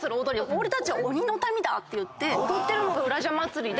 「俺たちは鬼の民だ」っていって踊ってるのがうらじゃ祭りで。